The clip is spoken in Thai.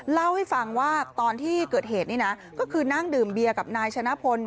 เล่าให้ฟังว่าตอนที่เกิดเหตุนี่นะก็คือนั่งดื่มเบียร์กับนายชนะพล